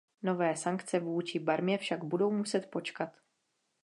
Nové sankce vůči Barmě však budou muset počkat.